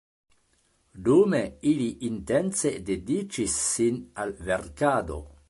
Dume ili intense dediĉis sin al verkado.